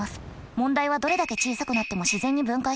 問題はどれだけ小さくなっても自然に分解しないこと。